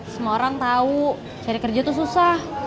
semua orang tahu cari kerja tuh susah